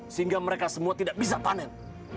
sehingga mereka semua tidak bisa panen